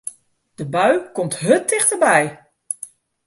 De bui komt hurd tichterby.